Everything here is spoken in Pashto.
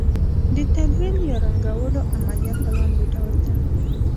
د تلوین یا رنګولو عملیه په لاندې ډول ده.